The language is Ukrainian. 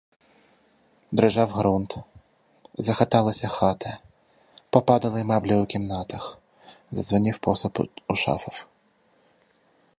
Дрижав ґрунт, захиталися хати, попадали меблі в кімнатах, задзвенів посуд у шафах.